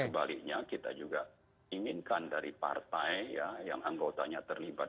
nah kebaliknya kita juga inginkan dari partai ya yang anggotanya terlibat